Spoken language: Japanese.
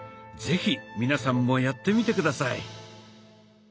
是非皆さんもやってみて下さい。